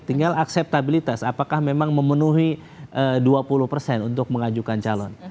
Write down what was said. tinggal akseptabilitas apakah memang memenuhi dua puluh persen untuk mengajukan calon